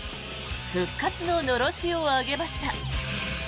復活ののろしを上げました。